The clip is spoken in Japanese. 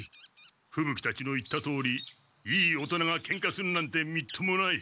ふぶ鬼たちの言ったとおりいい大人がケンカするなんてみっともない。